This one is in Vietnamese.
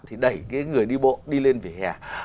thì đẩy cái người đi bộ đi lên về hè